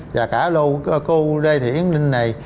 và cả lâu cô lê thị yến linh này